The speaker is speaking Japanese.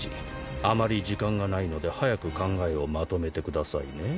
あまり時間がないので早く考えをまとめてくださいね。